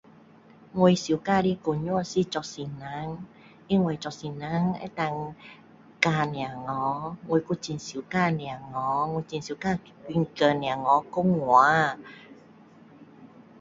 我 suka 的工作是做老师。因为做老师能够教小孩。我又很 suka 小孩。我很 suka 跟小孩讲话。先生